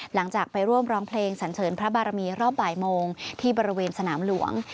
หลังจากไปร่วมร้องเพลงสันเสริญพระบารมีรอบบ่ายโมงที่บริเวณสนามหลวง